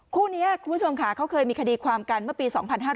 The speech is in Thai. คู่นี้คุณผู้ชมค่ะเขาเคยมีคดีความกันเมื่อปี๒๕๕๙